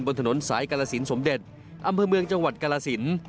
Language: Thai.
บนถนนสายกาลสินสมเด็จอำเภอเมืองจังหวัดกรสิน